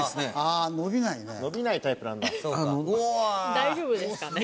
大丈夫ですかね？